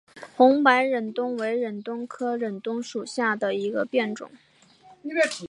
红白忍冬为忍冬科忍冬属下的一个变种。